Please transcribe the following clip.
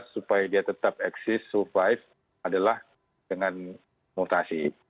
supaya dia tetap eksist survive adalah dengan mutasi